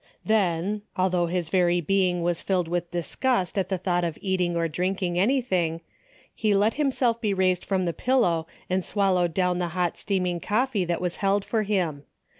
Then, although his very being was filled with disgust at the thought of eating or drink ing anything, he let himself be raised from the pillow and swallow down the hot steam ing coffee that was held for him.